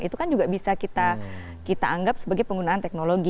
itu kan juga bisa kita anggap sebagai penggunaan teknologi